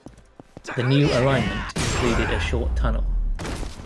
The new alignment included a short tunnel.